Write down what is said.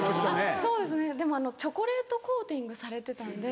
そうですねでもチョコレートコーティングされてたんで。